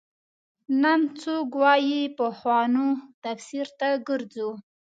نن څوک وايي پخوانو تفسیر ته ګرځو.